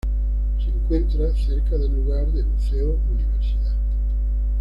Se encuentra cerca del lugar de buceo "Universidad".